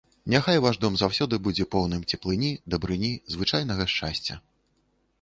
Няхай ваш дом заўсёды будзе поўным цеплыні, дабрыні, звычайнага шчасця.